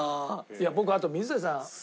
僕あと水谷さん